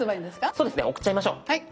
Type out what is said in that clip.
そうですね送っちゃいましょう。